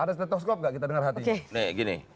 ada stetoskop gak kita dengar hati